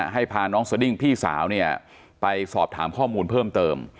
ให้พาน้องสดิ้งพี่สาวไปสอบถามข้อมูลเพิ่มเติม